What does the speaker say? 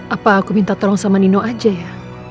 apa aku minta tolong sama nino aja ya